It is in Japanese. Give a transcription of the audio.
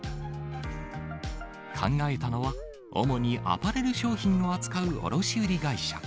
考えたのは、主にアパレル商品を扱う卸売り会社。